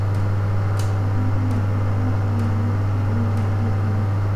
সেদিন, তিনি অগ্নিশিখা না মানুষ সে আমি ভুলে গিয়েছিলুম।